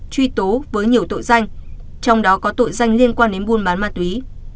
truy tố với nhiều tội danh trong đó có tội danh liên quan đến buôn bán ma túy